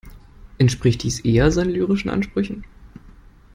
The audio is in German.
Entspricht dies eher seinen lyrischen Ansprüchen?